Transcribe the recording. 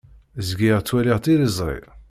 Zgiɣ ttwaliɣ tiliẓri.